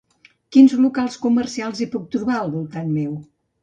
Quins locals comercials hi puc trobar al voltant meu?